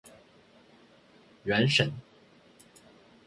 原神